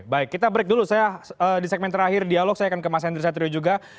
baik kita break dulu saya di segmen terakhir dialog saya akan ke mas henry satrio juga